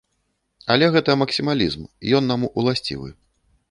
Але гэта максімалізм, ён нам уласцівы.